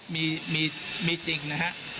มีจริงนะฮะ